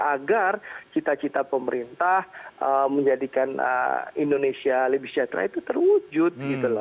agar cita cita pemerintah menjadikan indonesia lebih syatrah itu terwujud